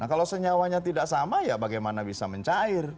nah kalau senyawanya tidak sama ya bagaimana bisa mencair